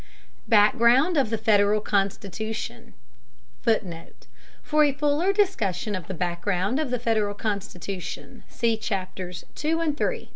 BACKGROUND OF THE FEDERAL CONSTITUTION [Footnote: For a fuller discussion of the background of the Federal Constitution, see Chapters II and III.